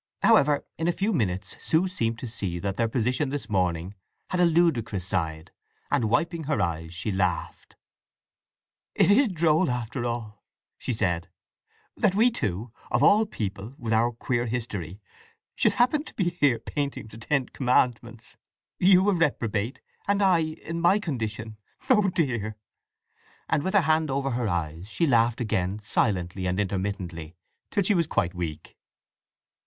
However, in a few minutes Sue seemed to see that their position this morning had a ludicrous side, and wiping her eyes she laughed. "It is droll, after all," she said, "that we two, of all people, with our queer history, should happen to be here painting the Ten Commandments! You a reprobate, and I—in my condition… O dear!" … And with her hand over her eyes she laughed again silently and intermittently, till she was quite weak.